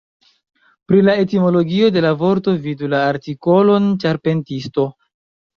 Pri la etimologio de la vorto vidu la artikolon "ĉarpentisto".